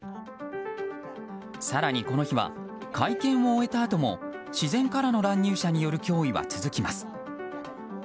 更に、この日は会見を終えたあとも自然からの乱入者による脅威は続きます。